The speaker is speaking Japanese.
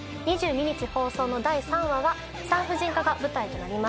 ２２日放送の第３話は産婦人科が舞台となります。